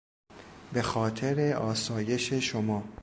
به خاطر آسایش شما...